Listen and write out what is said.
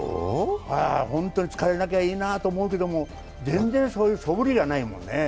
ホントに疲れなきゃいいなと思うけども、全然そういうそぶりがないもんね。